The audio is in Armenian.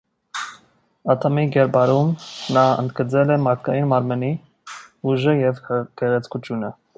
Ադամի կերպարում, նա ընդգծել է մարդկային մարմնի ուժը և գեղեցկությունը։